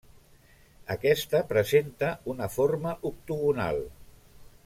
Aquesta presenta una forma octogonal.